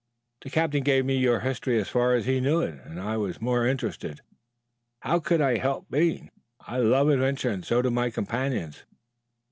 The Captain gave me your history as far as he knew it, and I was much interested. How could I help being? I love adventure and so do my companions.